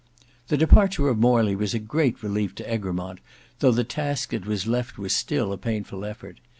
The departure of Morley was a great relief to Egremont, though the task that was left was still a painful effort.